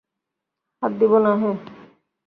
হাত দিবানা, হেহ্।